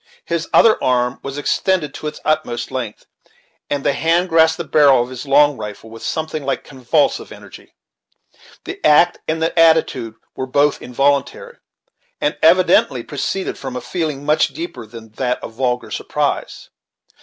His other arm was extended to its utmost length, and the hand grasped the barrel of his long rifle with something like convulsive energy. The act and the attitude were both involuntary, and evidently proceeded from a feeling much deeper than that of vulgar surprise.